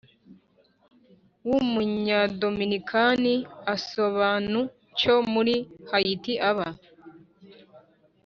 w Umunyadominikani asobanu cyo muri Hayiti aba